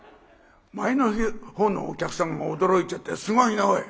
前のほうのお客さんが驚いちゃって「すごいねおい。